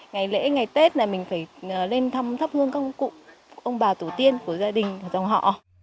ngày lễ ngày tết này mình phải lên thăm thắp hương các cụ ông bà tổ tiên của gia đình dòng họ